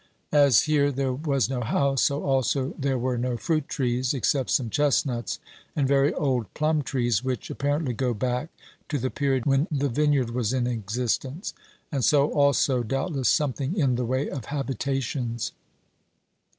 As here there was no house, so also there were no fruit trees, except some chestnuts and very old plum trees, which apparently go back to the period when the vineyard was in existence, and so also, doubtless, something in the way of habitations.